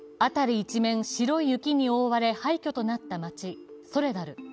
一面白い雪に覆われ廃虚となった街ソレダル。